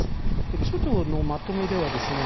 気象庁のまとめではですね